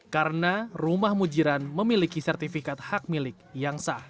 karena rumah mujiran memiliki sertifikat hak milik yang sah